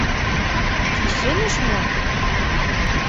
Кӱсеныш мо?